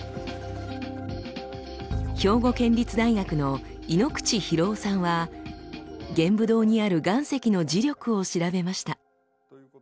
兵庫県立大学の井口博夫さんは玄武洞にある岩石の磁力を調べました。